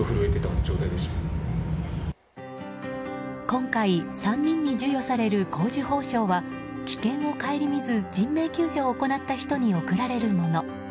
今回３人に授与される紅綬褒章は危険を顧みず人命救助を行った人に贈られるもの。